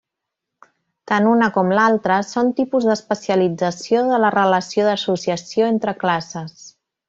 Tant una com l’altra són tipus d’especialització de la relació d’associació entre classes.